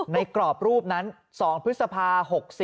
ในกรอบรูปนั้น๒พฤษภา๖๔๕๐๑๒๗๒